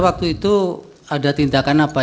waktu itu ada tindakan apa